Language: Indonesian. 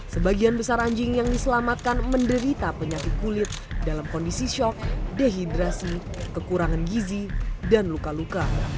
sebagian besar anjing yang diselamatkan menderita penyakit kulit dalam kondisi shock dehidrasi kekurangan gizi dan luka luka